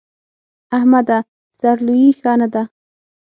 احمده! سر لويي ښه نه ده.